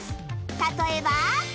例えば